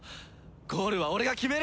ゴールは俺が決める！